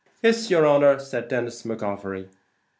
"Iss, yer honor," said Denis McGovery.